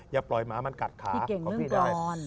อย่าปล่อยหมามันกัดขาพี่ได้พี่เก่งเรื่องกรอน